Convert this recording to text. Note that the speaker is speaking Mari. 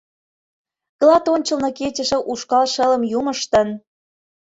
Клат ончылно кечыше ушкал шылым юмыштын...